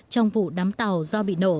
trong vụ đám tàu do bị nổ